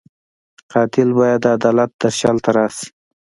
قاتل باید د عدالت درشل ته راشي